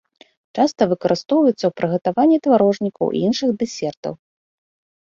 Часта выкарыстоўваецца ў прыгатаванні тварожнікаў і іншых дэсертаў.